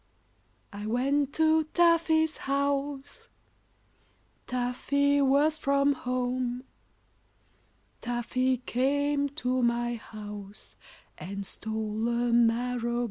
I went to Taffy's house, Taffy was from home; Taffy came to my house And stole a marrow bone.